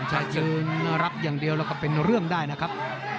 สัตว์ยืนรับอย่างเดียวเป็นเรื่องได้นะครับ